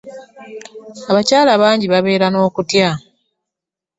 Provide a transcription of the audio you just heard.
“Abakyala bangi babeera n'okutya"